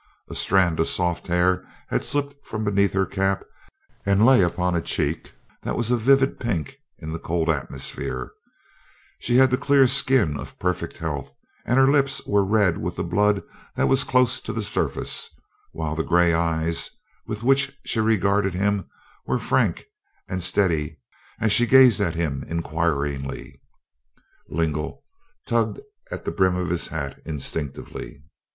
A strand of soft hair had slipped from beneath her cap and lay upon a cheek that was a vivid pink in the cold atmosphere; she had the clear skin of perfect health and her lips were red with the blood that was close to the surface, while the gray eyes with which she regarded him were frank and steady as she gazed at him inquiringly. Lingle tugged at his hat brim instinctively.